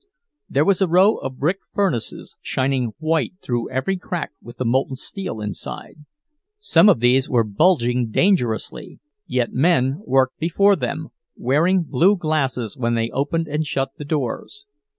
There was a row of brick furnaces, shining white through every crack with the molten steel inside. Some of these were bulging dangerously, yet men worked before them, wearing blue glasses when they opened and shut the doors.